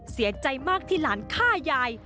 เสียใจมากที่หลานฆ่ายาย